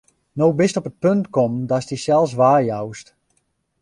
No bist op it punt kommen, datst dysels weijoust.